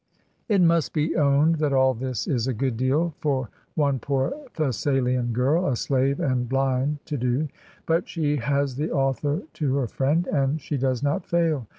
It must be owned that all this is a good deal for one poor Thessalian girl, a slave and blind, to do; but she has the author to her friend, and she does not fail.